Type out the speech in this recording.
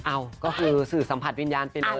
เอ้าก็คือสื่อสัมผัสวิญญาณไปเลย